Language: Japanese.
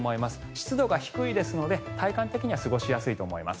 湿度が低いですので体感的には過ごしやすいと思います。